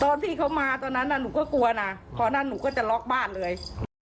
พี่เขามาตอนนั้นหนูก็กลัวนะพอนั้นหนูก็จะล็อกบ้านเลย